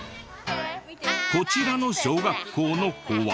こちらの小学校の子は。